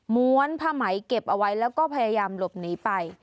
้วนผ้าไหมเก็บเอาไว้แล้วก็พยายามหลบหนีไป